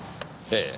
ええ。